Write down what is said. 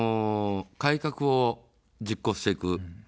改革を実行していく。